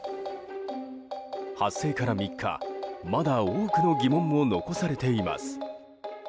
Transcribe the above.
発生から３日、まだ多くの疑問も残されています。